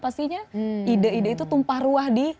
pastinya ide ide itu tumpah ruah di